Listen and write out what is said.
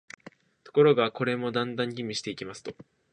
ところが、これもだんだん吟味していきますと、